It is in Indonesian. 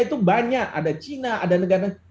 itu banyak ada china ada negara